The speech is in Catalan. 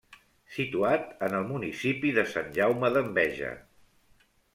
Situat en el municipi de Sant Jaume d'Enveja.